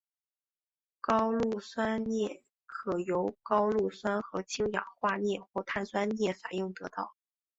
高氯酸镍可由高氯酸和氢氧化镍或碳酸镍反应得到。